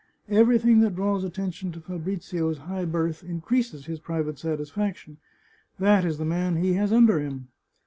Everything that draws attention to Fabrizio's high birth increases his private satisfaction — that is the man he has under him.